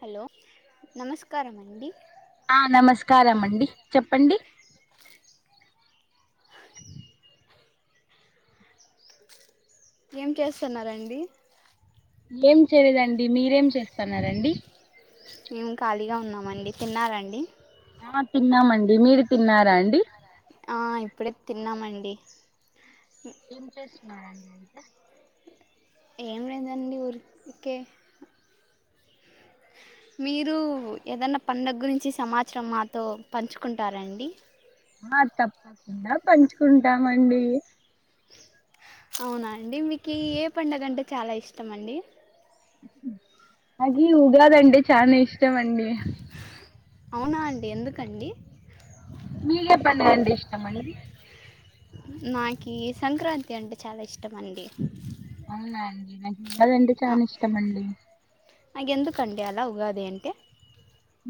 Hello నమస్కారం అండి ఆ నమస్కారం అండి చెప్పండి ఏం చేస్తున్నారు అండి ఏం చేయలేదండి మీరేం చేస్తాన్నారండీ మేము ఖాళీగా ఉన్నామండి తిన్నార అండి ఆ తిన్నామండి మీరు తిన్నారా అండి ఆ ఇప్పుడే తిన్నామండి ఏం చేస్తున్నారండి అయితే ఏం లేదండి ఊరికే మీరు ఏదన్నా పండుగ గురించి సమాచారం మాతో పంచుకుంటార అండి ఆ తప్పకుండా పంచుకుంటామండి అవునా అండి మీకు ఏ పండుగ అంటే చాలా ఇష్టమండి నాకి ఉగాది అంటే చానా ఇష్టం అండి అవునా అండి ఎందుకండి మీకు ఏ పండుగ అంటె ఇష్టం అండి నాకు సంక్రాంతి అంటే చాలా ఇష్టం అండి. అవునా అండి నాకు చాల అంటే చాలా ఇష్టం అండి. నాకు ఎందుకుంటే అలా ఉగాది అంటే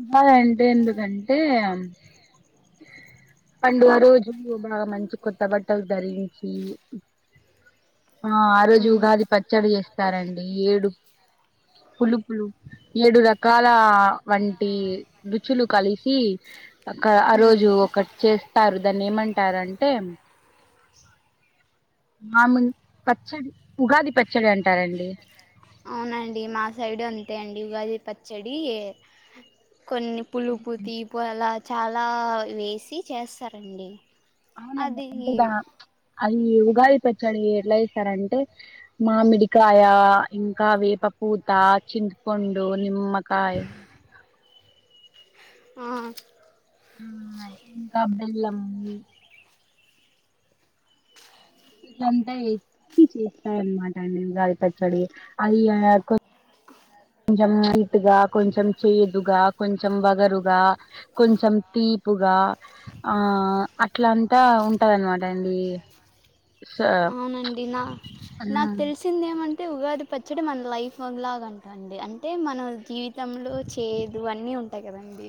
ఉగాది అంటే ఎందుకంటే ఉహు పండగ రోజు బాగా మంచి కొత్త బట్టలు ధరించి ఆ ఆ రోజు మ్మ్. ఉగాది పచ్చడి చేస్తారండి ఏడు. పులుపు ఏడు రకాల వంటి రుచులు కలిసి ఆ రోజు మ్మ్. ఒకటి చేస్తారు దాన్ని ఏమంటారంటే మామిడి పచ్చడి ఉగాది పచ్చడి అంటారండి. అవునండి మా సైడ్ అంతే అండి ఉగాది పచ్చడి కొన్ని పులుపు తీపు అలా చాలా వేసి చేస్తారండి అవునండి అది అంటే దా అది ఉగాది పచ్చడి ఎట్ల చేస్తరాంటే మామిడికాయ ఇంకా వేప పూత చింతపండు నిమ్మకాయ ఆ ఆ ఇంకా బెల్లం ఎంత ఎత్తి చేస్తారన్న మాట ఉగాది పచ్చడి అది ఆ కొంచెం ఇటుగా కొంచెం చేదుగా కొంచెం వగరుగా కొంచెం తీపుగా ఆ అట్లాంటి అట్లా ఉంటదన్నమాట అండీ తిందాం అంటే ఉగాది పచ్చడి మన లైఫ్ లాగా అంటంది అంటే మన జీవితంలో చేదు అన్నీ ఉంటమ్ అంతే కదండి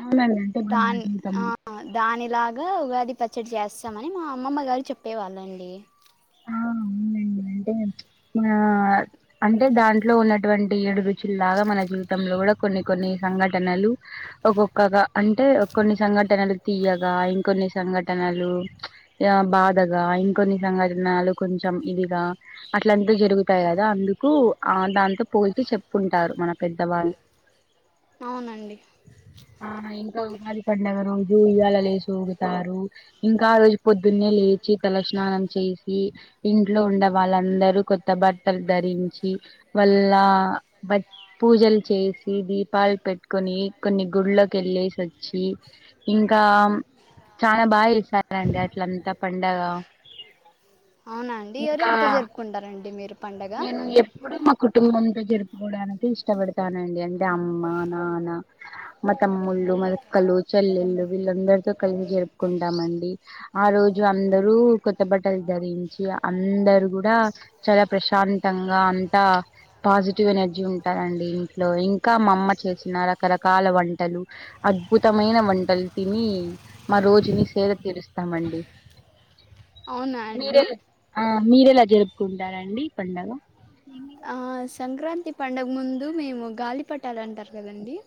అవునండి అంటే ఇప్పుడు మన రాన్ ఆ జీవితంలో దానిలాగా ఉగాది పచ్చడి చేస్తామని మా అమ్మమ్మ గారు చెప్పేవాళ్ళండి. ఆ అవునండి అంటే ఆ అంటే దాంట్లో ఉన్నటువంటి ఏడు రుచులులాగా మన జీవితంలో కూడా కొన్ని కొన్ని సంఘటనలు ఒక్కొక్కగా అంటే కొన్ని సంఘటనలు తీయగా ఇంకొన్ని సంఘటనలు. ఆ బాధగా ఇంకొన్ని సంఘటనలు కొంచెం ఇదిగా. అట్లంత జరుగుతాయి కదా అందుకు ఆ దాంతో పోల్చ చెప్పుకుంటారు మన పెద్దవాళ్ళు అవునండి. ఆ ఇంకా ఉగాది పండుగ రోజు ఉయ్యాలలు వేసిఊగుతారు. ఇంకా ఆరోజు పొద్దున్నే లేచి తలస్నానం చేసి ఇన్ ఇంట్లో ఉన్న వాళ్ళందరూ కొత్త బట్టలు ధరించి మల్ల పూజలు చేసి దీపాలు పెట్టుకొని కొన్ని గుళ్ళ కెల్లే వచ్చి ఇంకా చాలా బాగా చేసారండి అట్లంతా పండగ అవునా అండి ఇంకా ఎవరెవరితో జరుపుకుంటారండి మీరు పండగ నేను ఎప్పుడు మా కుటుంబంతో జరుపుకోవడానికి ఇష్టపడతానండి అంటే అమ్మ నాన్న మా తమ్ముళ్ళు మా అక్కలు చెల్లెలు వీళ్ళందరితో కలిసి జరుపుకుంటామండి ఆ రోజు అందరు కొత్త బట్టలు ధరించి అందరు కూడా చాలా ప్రశాంతంగా అంతా పాజిటివ్ ఎనర్జీ ఉంటారండి ఇంట్లో ఇంకా మా అమ్మ చేసిన రకరకాల వంటలు. అద్భుతమైన వంటలు తిని మా రోజుని సేర తీరుస్తామండి అవునా అండి మీరేలా ఆ మీరేలా జరుపుకుంటారండి పండగ! ఆ సంక్రాంతి పండుగ ముందు మేము గాలిపటాలంటారు కదండీ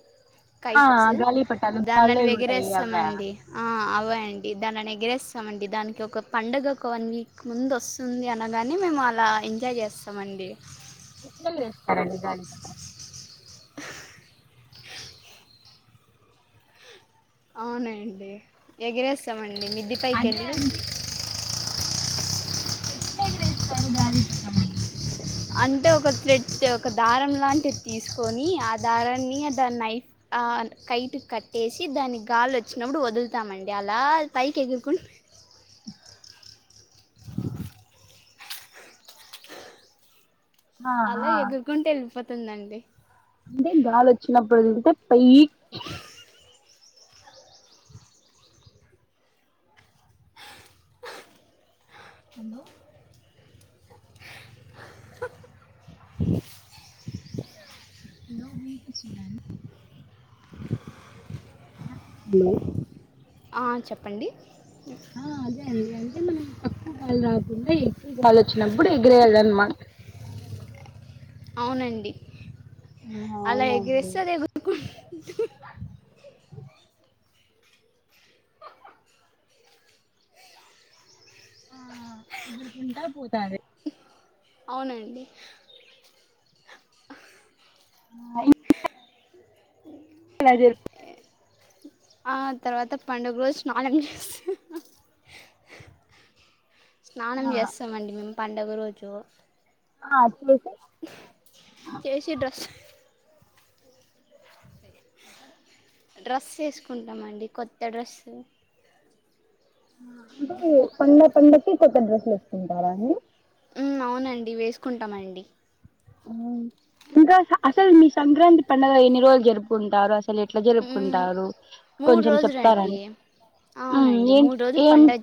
ఆ కైట్స్ గాలిపటాలు గాల్లో దానేను ఎగురుతాయి అవా వెగిరేస్తామండి ఆ అవే అండి దానేని ఎగిరేస్తామండి దానికి ఒక పండుగ ఒక వన్ వీక్ ముందు వస్తు. వస్తుంది అనగాని మేము అలా ఎంజాయ్ చేస్తామ అండి పిల్లలు ఏస్తారండి దానికి అవునాండి ఎగిరేస్తామండి మిది పైకి అదే వెళ్ళి. అండి ఎట్లా ఎగరేస్తారు దాన్ని అంటే ఒక థ్రెడ్ ఒక దారం లాంటిది తీసుకొని ఆ దారాన్ని దనై ఆ కైట్ కట్టేసి దానికి గాలి వచ్చినప్పుడు వదులుతామండి అలా పైకి ఎగురుకుంటు అలా ఆహా ఎగురుకుంటూ వెళ్ళిపోతుందండి. అంటే గాలి వచ్చినప్పుడు వదిలితే పైకి [unintelligible] హలో అ [unintelligible] హలో వినిపిస్తుందా అండి హలో ఆ చెప్పండి ఆ అదే అండి అంటే మనం తక్కువ గాలి రాకుండా ఎక్కువగాలి వచ్చినప్పుడు ఎగిరేయాలి అనమాట అవునండి ఆ అలా అవునండి ఎగరేస్తే ఎగురుకుంటూ ఆ ఎగురుకుంటా పోతాది అవునండి. [unintelligible] [inaudible] [unintelligible] ఆ తర్వాత పండుగ రోజు స్నానం చేస్తూ స్నానం ఆ చేస్తామండి మేము పండుగ రోజు ఆ [unintelligible] చేసి డ్రాస్ డ్రస్ ఎసుకుంటామండి కొత్త డ్రస్సు అంటే పు పండగ పండగకి కొత్త డ్రస్సులు వేసుకుంటారా అండి ఉమ్ అవునండి వేసుకుంటామండి ఇంకా అసలు మీ సంక్రాంతి పడుగ ఎన్ని రోజులు జరుపుకుంటారు అసలు అది ఎట్లా ఉమ్, జరుపుకుంటారు మూడు కొంచెం చెప్తారా రోజులండి అండి ఉమ్ అవునండి ఏం మూడు రోజు ఏం పండగ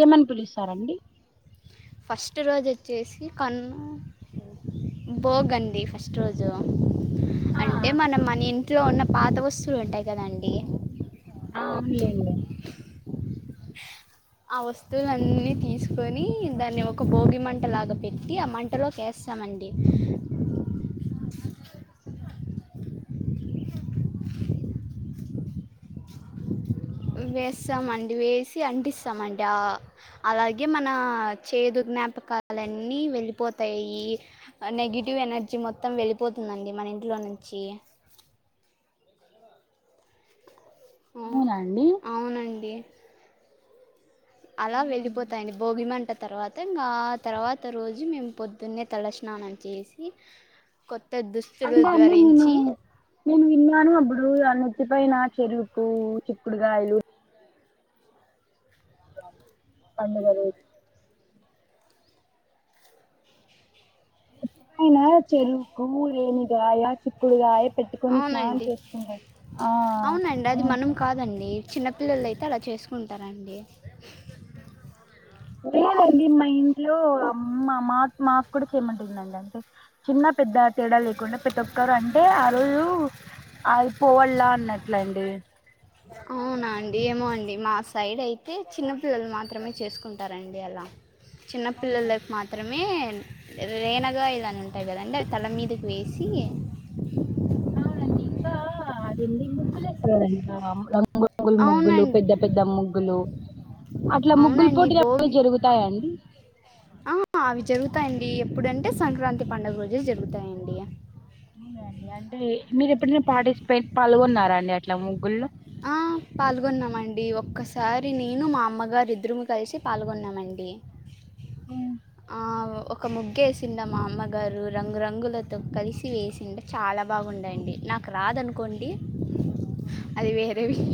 ఏమని పిలుస్తారండి ఫస్ట్ రోజు వచ్చేసి కనుమ ఉ బోగడి ఫస్ట్ రోజు ఆ అంటే మనం మన ఇంట్లో ఉన్న పాత వస్తువులు ఉంటాయి కదండి అవును లెండి ఆ వస్తువుల అన్ని తీసుకొని దాన్ని ఒక భోగి మంట లాగా పెట్టి ఆ మంటలోకి వే ఇస్తామండి వేస్తామండి వేసి అంటిస్తామంట ఆ అలాగే మన చేదు జ్ఞాపకాలన్నీ వెళ్ళిపోతాయి నెగిటివ్ ఎనర్జీ మొత్తం వెళ్ళిపోతుందండి మన ఇంట్లో నుంచి ఆ- అవునా అండి అవునండి, అలా వెళ్ళిపోతాయనీ భోగి మంటలు తర్వాత ఇంగా తర్వాత రోజు మేము పొద్దున్నే తలస్నానం చేసి కొత్తదుస్ అంటే అన్ని నేను నేను విన్నాను అప్పుడు ఆ నెత్తి పైన చెరుకు, చిక్కుడుగాయలు పండగ రోజ్ అయినా చెరుకు, రేణిగాయ, చిక్కుడుగాయ పెట్టుకొని స్నానం అవునండి చేసుకుంటారు. ఆ అవునండి అది ఆ మనం కాదండి, చిన్నపిల్లలు అయితే అలా చేసుకుంటారండి. లేదండి మా ఇంట్లో అమ్ మా మా మాకు కూడా చేయమంటుందండి చిన్న పెద్ద తేడా లేకుండా ప్రతి ఒక్కరు అంటే ఆ రోజు అది పోవళ్లా అన్నట్లండి అవునా అండి ఏమో అండి, మా సైడ్ అయితే చిన్న పిల్లలు మాత్రమే చేసుకుంటారండి అలా. చిన్న పిల్లల లైఫ్ అవునండి మా త్రమే రేనగా ఇలాని ఉంటాయి కదండి అవి తల మీదకి వేసి అవునండి ఇంకా అదేంది ముగ్గులేస్తరు కదండీ రంగు గులు ముగ్గులు పెద్ద అవునండి పెద్ద ముగ్గులు, అట్ల ముగ్గులు అవునండి పోటీ అప్పుడే భోగి జరుగుతాయండి. ఆ అవి జరుగుతాయండి, ఎప్పుడుంటే సంక్రాంతి పండుగ రోజే జరుగుతాయండి. అదే అండి అంటే మీరు ఎప్పుడైనా పార్టిసిపేట్ పాల్గొన్నారా అండి అట్లా ముగ్గుల్లో? ఆ పాల్గొన్నమండి ఒక్కసారి నేను, మా అమ్మగారు ఇద్దరుము కలిసి పాల్గొన్నామండి. ఆ ఒ ఒక ముగ్గు వేససింద మా అమ్మగారు రంగురంగులతో కలిసి వేసిండే చాలా బాగుండేయండి నాక్ రాదనుకోండి అది వేరే విష్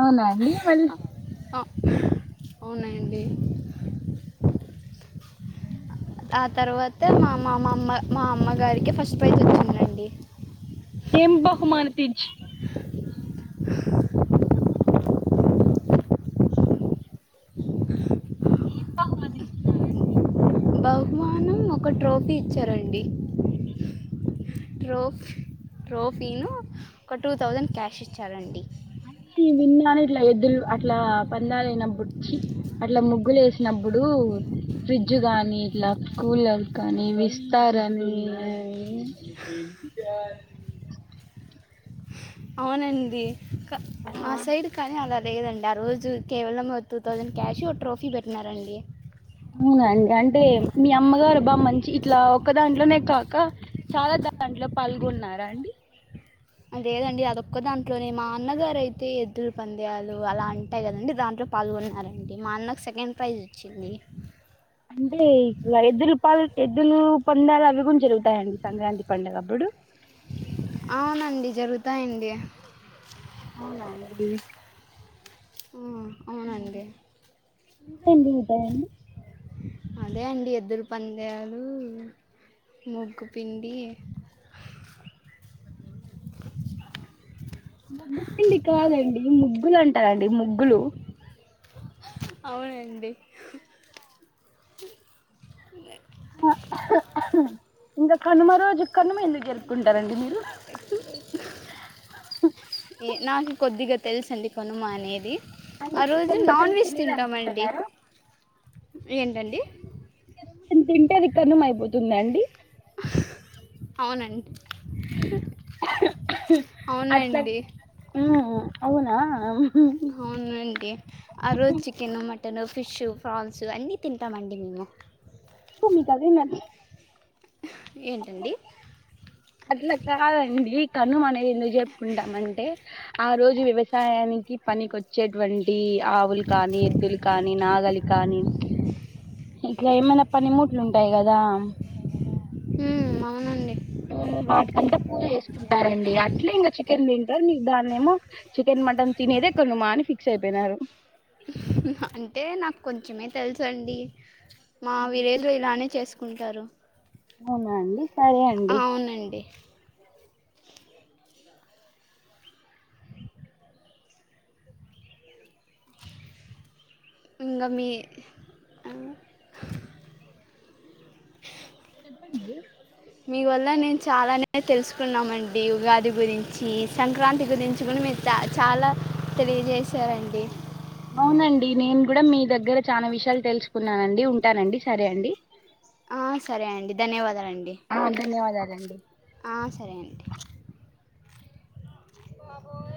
అవునా అండి వల్ అ అవునండి ఆ తర్వాత మా మా మామ్మ మా అమ్మగారికే ఫస్ట్ ప్రైజ్ వచ్చిందండి. ఏం బహుమానతిచ్ ఏం బహుమతి ఇచ్చినారండి బహుమానం ఒక ట్రోఫీ ఇచ్చారండి. ట్రోఫ్ ట్రోఫీను ఒక టూ థౌజండ్ క్యాష్ ఇచ్చారండి. ఈ విన్నా అని ఇట్ల ఎద్దులు అట్ల పందాలైనప్పుడు చ్చి అట్ల ముగ్గులు ఏసినప్పుడు ఫ్రిడ్జ్ గానీ ఇట్ల కూలర్ కానీ, విస్తారన్ని అవునండి క మా సైడ్ కానీ అలా లేదండి ఆ రోజు కేవలము టూ థౌజండ్ క్యాషు, ట్రోఫీ పెట్టినారండి. అవునండి అంటే మీ అమ్మగారు బా మంచి ఇట్లా ఒక్క దాంట్లోనే కాక, చాలా దాంట్లో పాల్గొన్నారా అండి? లేదండి అదొక్క దాంట్లోనే మా అన్నగారయితే ఎద్దురు పంద్యాలు అలా అంటాయి కదండి దాంట్లో పాల్గొన్నారండి, మా అన్నకు సెకండ్ ప్రైజ్ వచ్చింది. అంటే ఇ ఎద్దులు పల్ ఎద్దులు పందాలవి కూడ జరుగుతాయండి సంక్రాంతి పండుగప్పుడు? అవునండి జరుగుతాయండి. అవునా అండి ఉమ్ అవునండి అదే అండి ఎద్దుల పందెలు ముగ్గుపిండి ముగ్గు పిండి కాదండి ముగ్గులు అంటారండి ముగ్గులు అవునండి లే ఇంకా కనుమ రోజు కనుమ ఎందుకు జరుపుకుంటారండి మీరు నాకి కొద్దిగా తెలుసండి కనుమ అనేది అంటే ఆ రోజు చికెన్ నాన్ మటన్ వెజ్ తినేది తింటామండి అనుకుంటున్నారా ఏంటండి? తింటే అది కనుమ అయిపోతుందా అండి అవునండి అవునండి ఉమ్ అవునా? అవునుండి ఆ రోజు చికెను, మటను, ఫిషు, ఫ్రాల్సు, అన్నీ తింటామండి మేము తూ మీకు అదేనా ఏంటండి? అట్ల కాదండి కనుమ అనే ఎందుకు జరుపుకుంటామంటే ఆ రోజు వ్యవసాయానికి పనికొచ్చే టువంటి ఆవులు కానీ, ఎద్దుల్ కానీ నాగలి కానీ ఇట్లా ఏమైనా పనిముట్లు ఉంటాయ్ కదా మ్మ్, అవునండి వాటికంతా పూ చేేసుకుంటారండి అట్లే ఇంకా చికెన్ తింటారు మీకు దాన్నేమో చికెన్, మటన్ తినేది కనుమ అని ఫిక్స్ ఐపేనారు అంటే నాకు కొంచెమే తెలుసు అండి మా విలేజ్ లో ఇలానే చేస్ కుంటారు అవునా అండి సరే అండి అవునండి ఇంగ మీ అల్లో చెప్పండి మీ వల్ల నేను చాలానే తెలుసుకున్నామండి ఉగాది గురించి సంక్రాంతి గురించి కూడా నేర్చ్ చా చాలా తెలియజేశారండి అవునండి నేను కూడా మీ దగ్గర చాలా విషయాలు తెలుసుకున్నానండి ఉంటానండి సరే అండి ఆ సరే అండి ధన్యవాదాలండి ఆ ధన్యవాదాలండి ఆ సరే అండి బాబోయ్